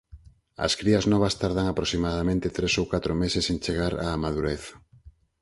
As crías novas tardan aproximadamente tres ou catro meses en chegar á madurez.